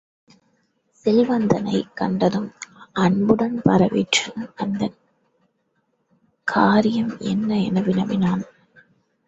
செல்வந்தனைக் கண்டதும், அன்புடன் வரவேற்று, வந்த காரியம் என்ன? என வினவினான்.